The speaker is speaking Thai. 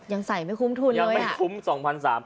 ยังใส่ไม่คุ้มทุนยังไม่คุ้ม๒๓๐๐บาท